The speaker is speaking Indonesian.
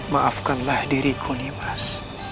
maafkanlah diriku nimas